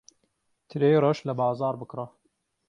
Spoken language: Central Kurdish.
ترێی ڕەش لە بازاڕ بکڕە.